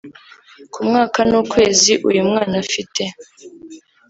Ku mwaka n’ukwezi uyu mwana afite